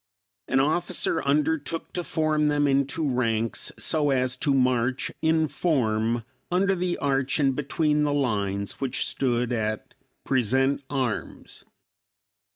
An officer undertook to form them into ranks so as to march in form under the arch and between the lines which stood at "Present arms."